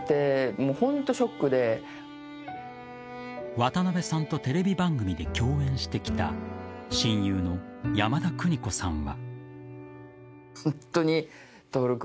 渡辺さんとテレビ番組で共演してきた親友の山田邦子さんは。